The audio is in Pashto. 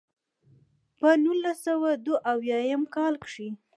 پۀ نولس سوه دوه اويا يم کال کښې